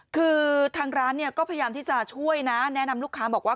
คือทางร้านเนี่ยก็พยายามที่จะช่วยนะแนะนำลูกค้าบอกว่า